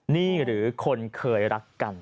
นี่หรือคนเคยรักกัน